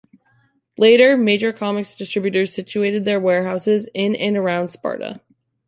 Later, major comics distributors situated their warehouses in and around Sparta.